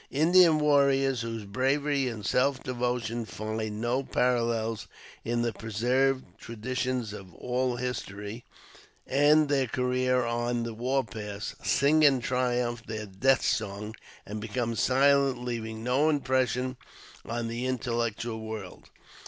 Indian warriors, whose bravery and self devo tion find no parallels in the preserved traditions of all history, end their career on the " war path," sing in triumph their death song, and become silent, leaving no impression on the intellectual world.